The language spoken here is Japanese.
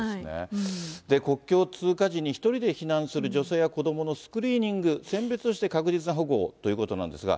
国境通過時に、１人で避難する女性や子どものスクリーニング、選別をして確実な保護をということなんですが。